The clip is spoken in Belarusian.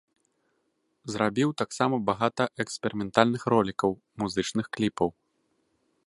Зрабіў таксама багата эксперыментальных ролікаў, музычных кліпаў.